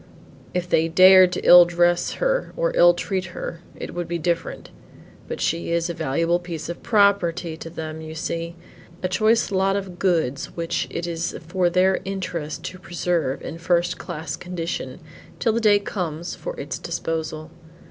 "If they dared to ill dress her or ill treat her, it would be different. But she is a valuable piece of property to them you see, a choice lot of goods which it is for their interest to preserve in first class condition till the day comes for its disposal.